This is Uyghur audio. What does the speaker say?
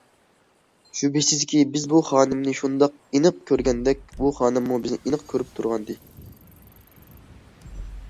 شۈبھىسىزكى، بىز بۇ خانىمنى شۇنداق ئېنىق كۆرگەندەك، ئۇ خانىممۇ بىزنى ئېنىق كۆرۈپ تۇرغانىدى.